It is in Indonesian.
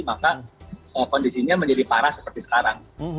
maka kondisinya menjadi parah seperti sekarang